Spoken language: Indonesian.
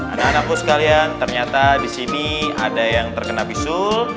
anak anakku sekalian ternyata disini ada yang terkena bisul